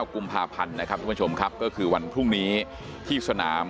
กุมภาพันธ์นะครับทุกผู้ชมครับก็คือวันพรุ่งนี้ที่สนาม